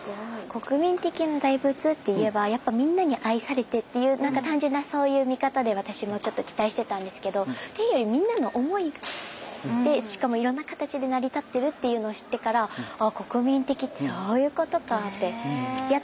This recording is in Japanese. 国民的な大仏っていえばやっぱみんなに愛されてっていう何か単純なそういう見方で私もちょっと期待してたんですけどっていうよりみんなの思いでしかもいろんな形で成り立ってるっていうのを知ってからああ国民的ってそういうことかってやっとここに来て分かった気がしますね。